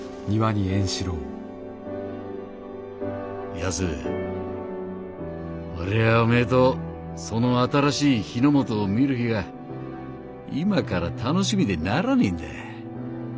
「やすおりゃあおめえとその新しい日の本を見る日が今から楽しみでならねぇんだ。